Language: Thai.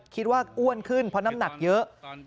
อ้วนขึ้นเพราะน้ำหนักเยอะ